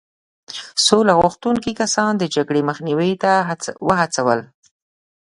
سوله غوښتونکي کسان د جګړې مخنیوي ته وهڅول.